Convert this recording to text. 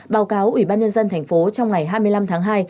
báo cáo ubnd tp trong ngày hai mươi năm tháng hai